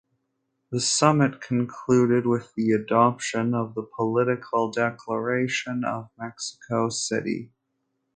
The Summit concluded with the adoption of the Political Declaration of Mexico City.